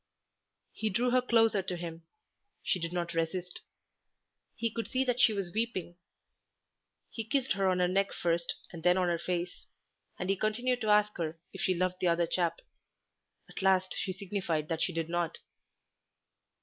He drew her closer to him; she did not resist; he could see that she was weeping. He kissed her on her neck first, and then on her face; and he continued to ask her if she loved the other chap. At last she signified that she did not.